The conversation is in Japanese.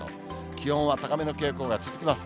気温は高めの傾向が続きます。